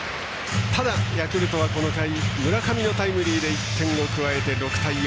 ただ、ヤクルトはこの回村上のタイムリーで１点を加えて６対４。